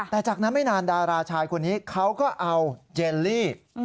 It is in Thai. แต่จากนั้นไม่นานดาราชายคนนี้เขาก็เอาเจลลี่